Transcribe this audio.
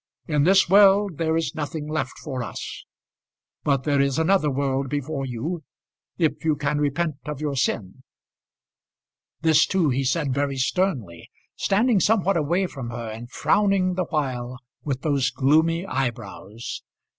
In this world there is nothing left for us. But there is another world before you, if you can repent of your sin." This too he said very sternly, standing somewhat away from her, and frowning the while with those gloomy eyebrows.